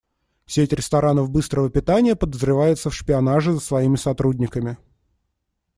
Сеть ресторанов быстрого питания подозревается в шпионаже за своими сотрудниками.